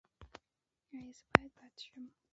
ایا زه باید بد شم؟